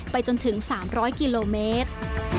จนถึง๓๐๐กิโลเมตร